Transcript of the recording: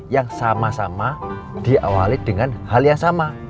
yang sama sama diawali dengan hal yang sama